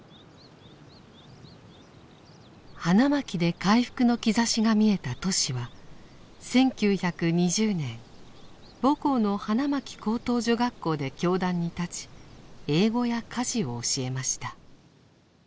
花巻で回復の兆しが見えたトシは１９２０年母校の花巻高等女学校で教壇に立ち英語や家事を教えました。